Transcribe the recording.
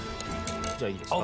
じゃあいいですか？